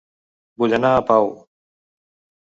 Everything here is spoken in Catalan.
Vull anar a Pau